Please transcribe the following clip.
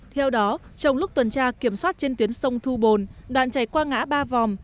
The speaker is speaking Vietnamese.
theo đó trong lúc tuần tra kiểm soát trên tuyến sông thu bồn đoạn chảy qua ngã ba vòng